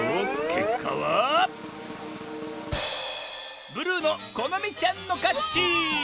けっかはブルーのこのみちゃんのかち！